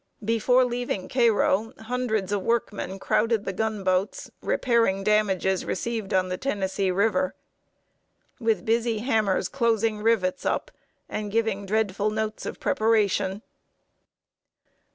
Before leaving Cairo, hundreds of workmen crowded the gunboats, repairing damages received on the Tennessee River "With busy hammers closing rivets up, And giving dreadful notes of preparation."